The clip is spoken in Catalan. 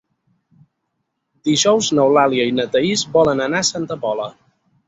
Dijous n'Eulàlia i na Thaís volen anar a Santa Pola.